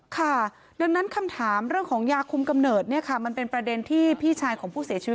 ค่ะดังนั้นคำถามเรื่องของยาคุมกำเนิดเนี่ยค่ะมันเป็นประเด็นที่พี่ชายของผู้เสียชีวิต